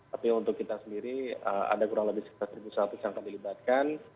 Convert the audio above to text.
tapi untuk kita sendiri ada kurang lebih sekitar satu seratus yang kami libatkan